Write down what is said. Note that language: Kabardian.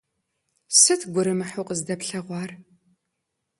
Сыт гурымыхьу къыздилъэгъуар?